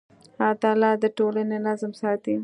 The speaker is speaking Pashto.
عدالت د ټولنې نظم ساتي.